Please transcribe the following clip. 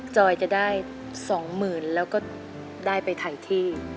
จอยจะได้สองหมื่นแล้วก็ได้ไปถ่ายที่